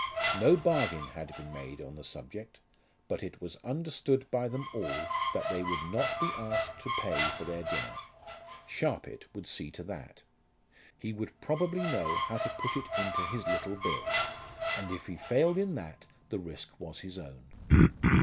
No bargain had been made on the subject, but it was understood by them all that they would not be asked to pay for their dinner. Sharpit would see to that. He would probably know how to put it into his little bill; and if he failed in that the risk was his own.